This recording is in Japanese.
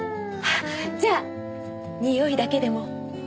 じゃあにおいだけでも。